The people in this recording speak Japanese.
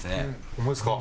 ホンマですか？